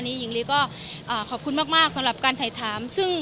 หญิงลีก็ขอบคุณมากสำหรับการถ่ายถามซึ่ง